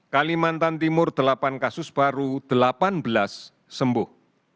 kalimantan timur delapan kasus baru delapan belas sembuh